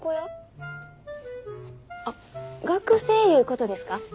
あっ学生いうことですか？